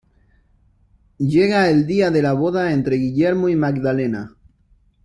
Llega el día de la boda entre Guillermo y Magdalena.